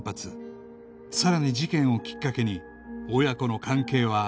さらに事件をきっかけに親子の関係は悪化していた